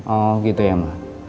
oh gitu ya ma